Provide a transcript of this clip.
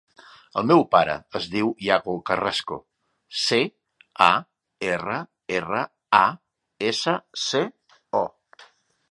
El meu pare es diu Iago Carrasco: ce, a, erra, erra, a, essa, ce, o.